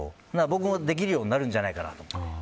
僕もできるようになるんじゃないかなと。